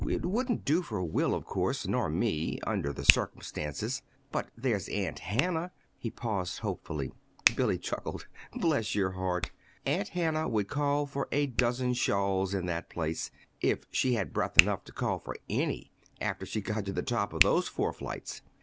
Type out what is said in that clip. It wouldn't do for Will, of course, nor me under the circumstances. But there's Aunt Hannah " He paused hopefully. Billy chuckled. "Bless your dear heart! Aunt Hannah would call for a dozen shawls in that place if she had breath enough to call for any after she got to the top of those four flights!"